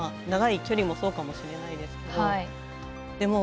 長い距離もそうかもしれないですけど。